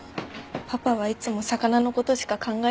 パパはいつも魚の事しか考えてないの。